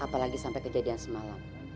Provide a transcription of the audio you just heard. apalagi sampai kejadian semalam